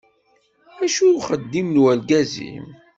Acu-t uxeddim n urgaz-im?